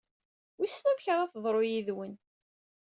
Wissen amek ara teḍru yid-wen?